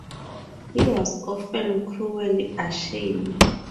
He was often cruelly ashamed.